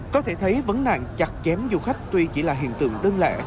có thể thấy vấn nạn chặt chém du khách tuy chỉ là hiện tượng đơn lẻ